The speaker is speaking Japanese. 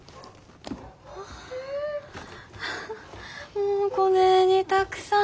もうこねえにたくさん。